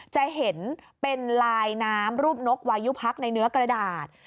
จะเห็นเป็นลายน้ำรูปนกวายุพักในเนื้อกระดาษ